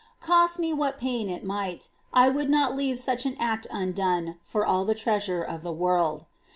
Cost me what pain it might, I would not leave such an act undone for all the treasure of the world.